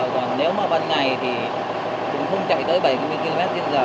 còn nếu mà ban ngày thì cũng không chạy tới bảy mươi km trên giờ